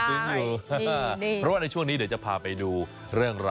เพราะว่าในช่วงนี้เดี๋ยวจะพาไปดู